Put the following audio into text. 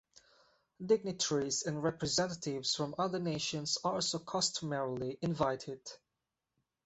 Dignitaries and representatives from other nations are also customarily invited.